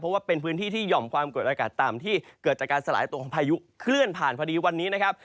เพราะว่าเป็นพื้นที่ที่หย่อมความกดอากาศต่ำที่เกิดจากการสลายตัวของพายุเคลื่อนผ่านพอดีวันนี้นะครับ